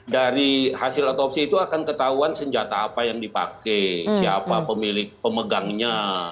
dari hasil otopsi itu akan ketahuan senjata apa yang dipakai siapa pemilik pemegangnya